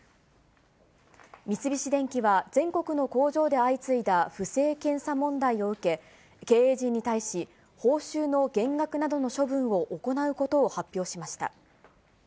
三菱電機は全国の工場で相次いだ不正検査問題を受け、経営陣に対し、報酬の減額などの処分を行うことを発表しました。